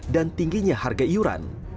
dan tingginya harga iuran